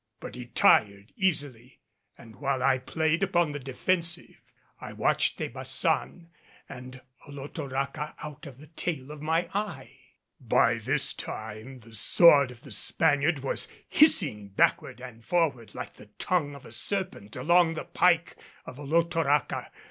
But he tired easily, and while I played upon the defensive, I watched De Baçan and Olotoraca out of the tail of my eye. By this time the sword of the Spaniard was hissing backward and forward like the tongue of a serpent along the pike of Olotoraca.